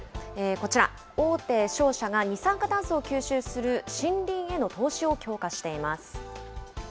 こちら、大手商社が二酸化炭素を吸収する森林への投資を強化しています。